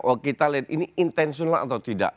oh kita lihat ini intensional atau tidak